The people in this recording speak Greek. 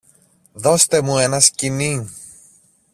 Δώστε μου ένα σκοινί!